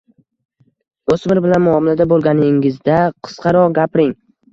O‘smir bilan muomalada bo‘lganingizda, qisqaroq gapiring.